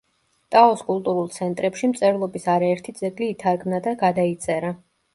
ტაოს კულტურულ ცენტრებში მწერლობის არაერთი ძეგლი ითარგმნა და გადაიწერა.